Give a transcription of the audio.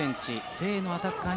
誠英のアタッカー。